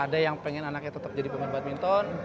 ada yang pengen anaknya tetep jadi pemain badminton